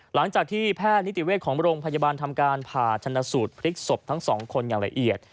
หลังจากที่แพทย์นิติเวชของโรงพยาบาลทำการผ่าชนสูตรพลิกศพทั้งสองคนอย่างละเอียด